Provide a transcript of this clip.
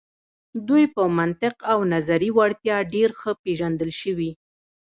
دوی په منطق او نظري وړتیا ډیر ښه پیژندل شوي.